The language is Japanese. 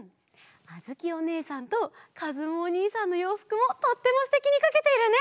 あづきおねえさんとかずむおにいさんのようふくもとってもすてきにかけているね！